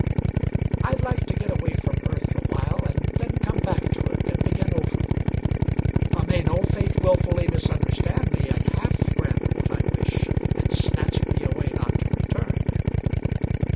I'd like to get away from earth awhile And then come back to it and begin over. May no fate willfully misunderstand me And half grant what I wish and snatch me away Not to return.